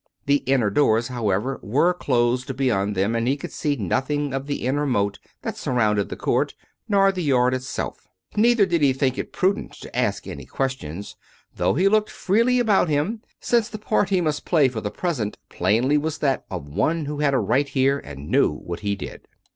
The inner doors, however, were closed beyond them, and he could see nothing of the inner moat that surrounded the court, nor the yard itself. Neither did he think it prudent to ask any questions, though he looked freely about him; since the part he must play for the present plainly was that of one who had a right here and knew what he did.